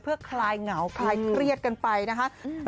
เพื่อคลายเหงาคลายเครียดกันไปนะคะ